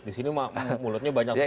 di sini mulutnya banyak sekali